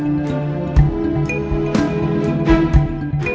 bisa dibaca disebelah sini